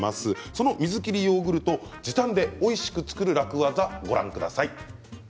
その水切りヨーグルト時短でおいしく作る楽ワザご覧ください。